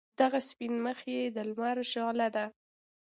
دغه سپین مخ یې د لمر شعله ده.